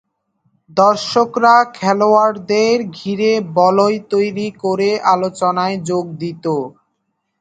দর্শকরা খেলোয়াড়দের ঘিরে বলয় তৈরি করে আলোচনায় যোগ দিত।